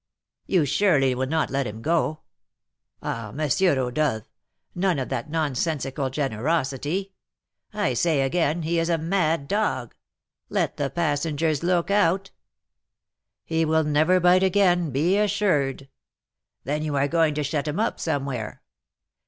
"You surely will not let him go! Ah, M. Rodolph, none of that nonsensical generosity! I say again, he is a mad dog, let the passengers look out!" "He will never bite again, be assured." "Then you are going to shut him up somewhere?"